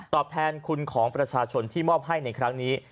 แทนคุณของประชาชนที่มอบให้ในครั้งนี้